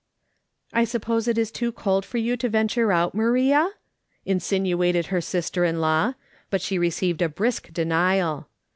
" I suppose it is too cold for you to venture out, Maria ?" insinuated her sister in law^ but she received a brisk denial.